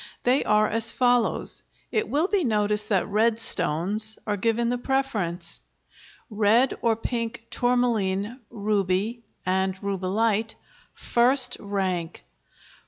They are as follows; it will be noticed that red stones are given the preference: Red or pink tourmaline, ruby (and rubellite) 1st rank.